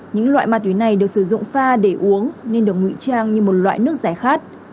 những loại ma túy này được sử dụng pha để uống nên được ngụy trang như một loại nước giải khát